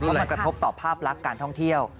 มันกระทบต่อภาพลักษณ์การท่องเที่ยว